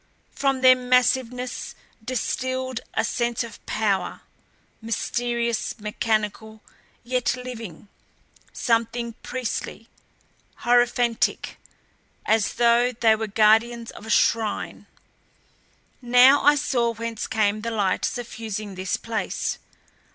From their massiveness distilled a sense of power, mysterious, mechanical yet living; something priestly, hierophantic as though they were guardians of a shrine. Now I saw whence came the light suffusing this place.